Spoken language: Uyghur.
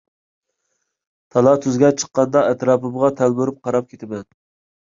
تالا-تۈزگە چىققاندا ئەتراپىمغا تەلمۈرۈپ قاراپ كېتىمەن.